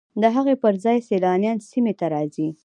د هغوی پر ځای سیلانیان سیمې ته راځي